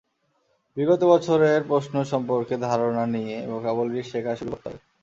বিগত বছরের প্রশ্ন সম্পর্কে ধারণা নিয়ে ভোকাবুলারি শেখা শুরু করতে হবে।